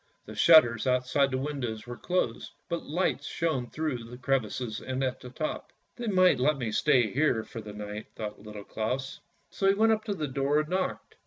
The shutters out side the windows were closed, but lights shone through the crevices and at the top. :' They might let me stay here for the night," thought Little Claus, so he went up to the door and knocked.